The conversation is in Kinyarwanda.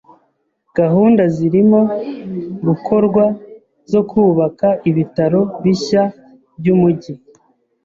Gahunda zirimo gukorwa zo kubaka ibitaro bishya byumujyi.